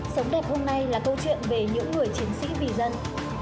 sống đẹp hôm nay là câu chuyện về những người chiến sĩ vì dân